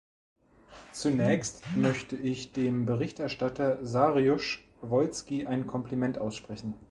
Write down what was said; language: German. Zunächst möchte ich dem Berichterstatter Saryusz-Wolski ein Kompliment aussprechen.